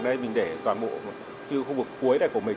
đây mình để toàn bộ khu vực cuối của mình